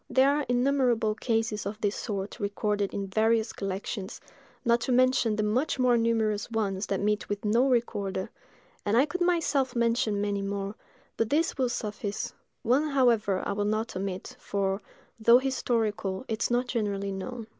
There are innumerable cases of this sort recorded in various collections, not to mention the much more numerous ones that meet with no recorder; and I could myself mention many more, but these will suffice—one, however, I will not omit, for, though historical, it is not generally known.